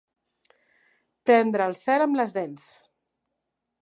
Prendre el cel amb les dents.